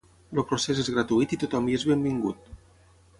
El procés és gratuït i tothom hi és benvingut.